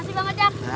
terima kasih bang ajar